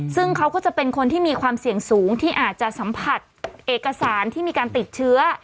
ซึ่งเขาก็จะเป็นคนที่มีความเสี่ยงสูงที่อาจจะสัมผัสเอกสารที่มีการติดเชื้อ